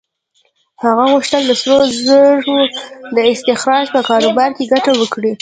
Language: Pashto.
هغه غوښتل د سرو زرو د استخراج په کاروبار کې ګټه وکړي.